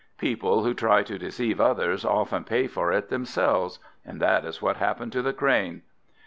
People who try to deceive others often pay for it themselves; and that is what happened to the Crane.